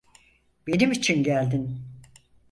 Benim için geldin.